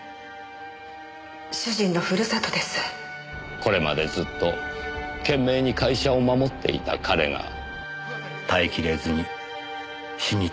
これまでずっと懸命に会社を守っていた彼が耐え切れずに死にたいともらすと。